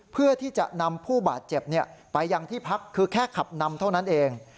เพื่อที่จะนำผู้บาดเจ็บไปยังที่พักคือแค่ขับนำเท่านั้นเอง